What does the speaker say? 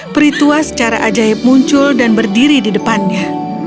peri tua secara ajaib muncul dan berdiri di depannya